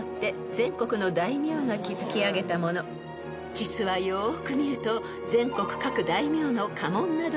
［実はよーく見ると］